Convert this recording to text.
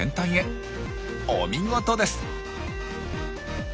お見事です！